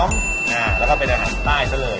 เนี่ยแล้วก็เป็นาหะใต้ซะเลย